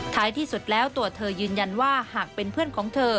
ที่สุดแล้วตัวเธอยืนยันว่าหากเป็นเพื่อนของเธอ